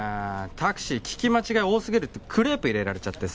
タクシー聞き間違い多すぎるってクレープ入れられちゃってさ